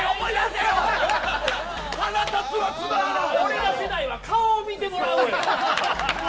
俺ら世代は顔を見てもらうんや。